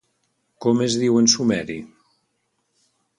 Com es diu en sumeri?